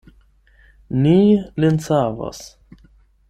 Ni lin savos.